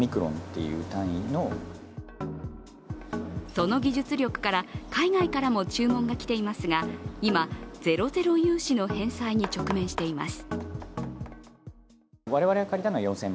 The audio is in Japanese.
その技術力から海外からも注文が来ていますが今、ゼロゼロ融資の返済に直面しています。